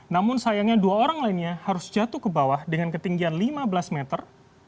namun sayangnya dua orang lainnya harus jatuh ke bawah dengan ketinggian lima belas meter